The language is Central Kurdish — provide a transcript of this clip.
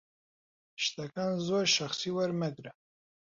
شتەکان زۆر شەخسی وەرمەگرە.